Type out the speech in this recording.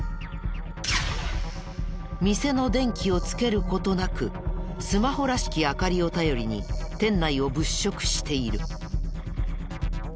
店の電気をつける事なくスマホらしき明かりを頼りに店内を物色している。